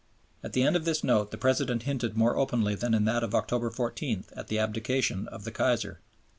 At the end of this Note the President hinted more openly than in that of October 14 at the abdication of the Kaiser.